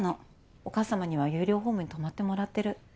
お母様には有料ホームに泊まってもらってる。